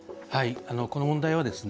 この問題はですね